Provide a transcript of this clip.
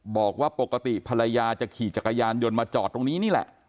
บอกว่าปกติภรรยาจะขี่จักรยานยนต์มาจอดตรงนี้นี่แหละ